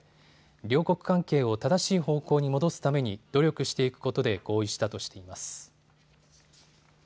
両国関係を正しい方向に戻すために努力していくことで合意したとしています。